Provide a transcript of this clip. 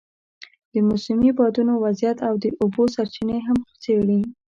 د موسمي بادونو وضعیت او د اوبو سرچینې هم څېړي.